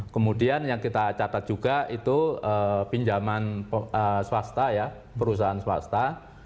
kemudian yang kita catat juga itu pinjaman swasta ya perusahaan swasta